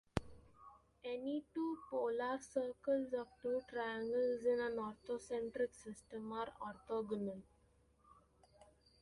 Any two polar circles of two triangles in an orthocentric system are orthogonal.